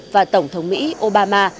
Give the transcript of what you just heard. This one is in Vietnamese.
và tổng thống mỹ obama